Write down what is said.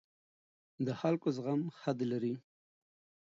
د خلکو زغم حد لري